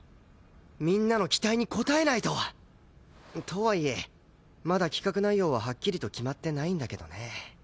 みんなの期待に応えないと！とはいえまだ企画内容ははっきりと決まってないんだけどね。